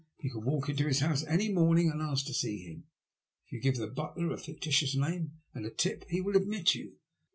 Tou can walk to his house any morning and ask to see him. If you give the butler a fictitious name and a tip he will admit you.